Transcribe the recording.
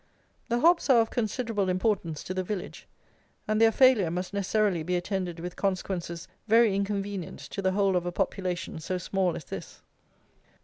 The hops are of considerable importance to the village, and their failure must necessarily be attended with consequences very inconvenient to the whole of a population so small as this.